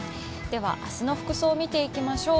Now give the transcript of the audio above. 明日の服装を見ていきましょう。